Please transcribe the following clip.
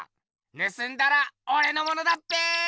ぬすんだらおれのものだっぺ。